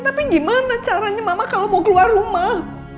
tapi gimana caranya mama kalau mau keluar rumah